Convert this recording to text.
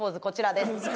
こちらです